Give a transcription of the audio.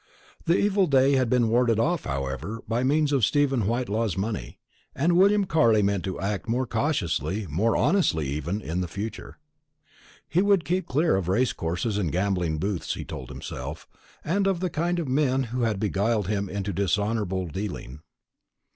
The evil day had been warded off, however, by means of Stephen Whitelaw's money, and William Carley meant to act more cautiously, more honestly even, in future. He would keep clear of race courses and gambling booths, he told himself, and of the kind of men who had beguiled him into dishonourable dealing.